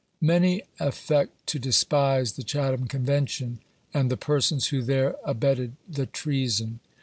Many affect to despise the Chatham Convention, and the persons who there abetted the "'treason."